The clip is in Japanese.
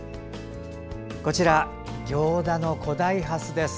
こちら行田の古代蓮です。